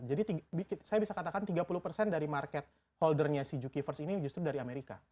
jadi saya bisa katakan tiga puluh dari market holdernya si jukiverse ini justru dari amerika